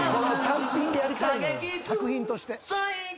作品として。